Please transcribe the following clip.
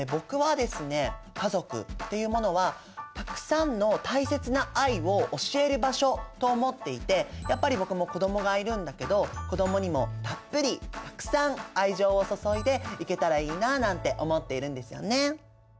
家族っていうものはたくさんの大切な愛を教える場所と思っていてやっぱり僕も子どもがいるんだけど子どもにもたっぷりたくさん愛情を注いでいけたらいいななんて思っているんですよね。